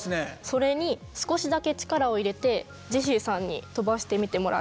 それに少しだけ力を入れてジェシーさんに飛ばしてみてもらえますか？